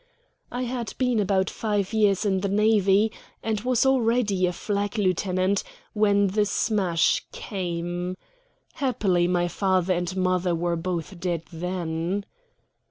I had been about five years in the navy, and was already a flag lieutenant, when the smash came. Happily my father and mother were both dead then.